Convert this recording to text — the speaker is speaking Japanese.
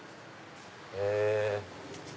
へぇ。